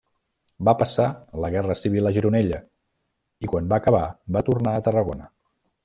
Va passar la Guerra Civil a Gironella, i quan va acabar va tornar a Tarragona.